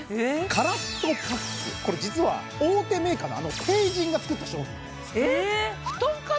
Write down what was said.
乾っとパックこれ実は大手メーカーのあのテイジンが作った商品なんですえ！？